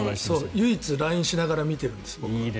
唯一ＬＩＮＥしながら見てるんです。